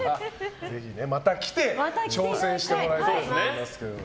ぜひまた来て挑戦してもらいたいと思います。